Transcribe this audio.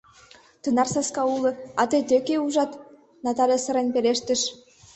— Тынар саска уло, а тый тӧкӧ ӱжат, — Натале сырен пелештыш.